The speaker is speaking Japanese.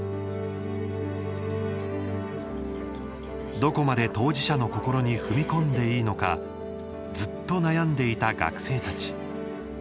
どこまで当事者の心に踏み込んでいいのかずっと悩んでいた学生たち。